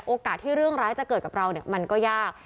โอกาสที่เรื่องร้ายจะเกิดกับเราเนี่ยมันก็ยาก